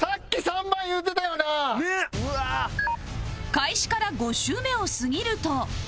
開始から５周目を過ぎると